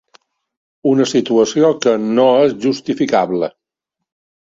Una situació que no és justificable.